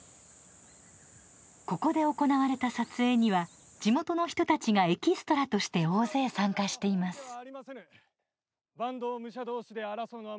ここで行われた撮影には地元の人たちがエキストラとして大勢参加しています。